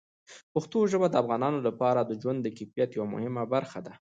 پښتو ژبه د افغانانو لپاره د ژوند د کیفیت یوه مهمه برخه ده.